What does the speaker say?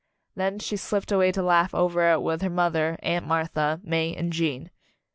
Then she slipped away to laugh over it with her mother, Aunt Martha, May and Gene.